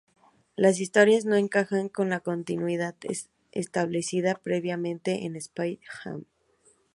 La historia no encajaba con la "continuidad" establecida previamente de Spider-Ham.